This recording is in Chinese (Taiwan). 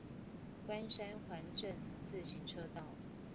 關山環鎮自行車道